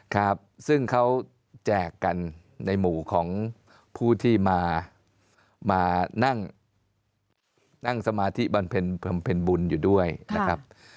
ครับซึ่งเขาแจกกันในหมู่ของผู้ที่มานั่งสมาธิบำเพ็ญบุญอยู่ด้วยนะครับ